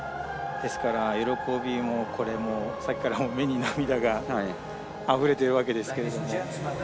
ですから喜びもさっきから目に涙があふれてるわけですけれども。